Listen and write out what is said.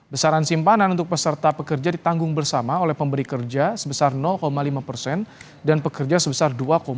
besaran simpanan untuk peserta pekerja ditanggung bersama oleh pemberi kerja sebesar lima persen dan pekerja sebesar dua lima